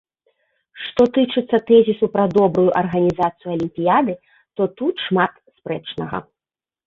Што тычыцца тэзісу пра добрую арганізацыю алімпіяды, то тут шмат спрэчнага.